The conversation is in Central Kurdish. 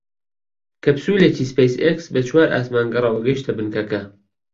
کەپسوولێکی سپەیس ئێکس بە چوار ئاسمانگەڕەوە گەیشتە بنکەکە